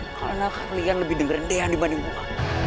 karena kalian lebih dengerin deen dibanding gue